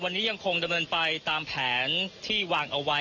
วันนี้ยังคงดำเนินไปตามแผนที่วางเอาไว้